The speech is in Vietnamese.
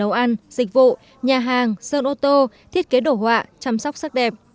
nấu ăn dịch vụ nhà hàng sơn ô tô thiết kế đồ họa chăm sóc sắc đẹp